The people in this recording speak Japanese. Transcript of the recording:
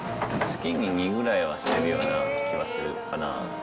月に２ぐらいはしてるような気はするかな。